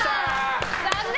残念！